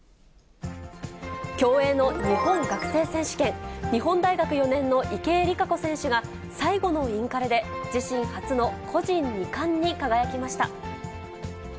競泳の日本学生選手権、日本大学４年の池江璃花子選手が、最後のインカレで自身初の個人２冠に輝きました。